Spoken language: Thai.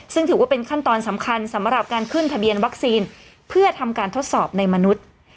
ซึ่งถือว่าเป็นขั้นตอนสำคัญสำหรับการขึ้นทะเบียนวัคซีนเพื่อทำการทดสอบในมนุษย์